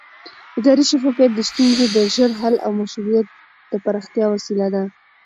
اداري شفافیت د ستونزو د ژر حل او مشروعیت د پراختیا وسیله ده